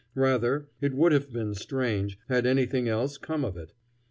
Rather, it would have been strange had anything else come of it.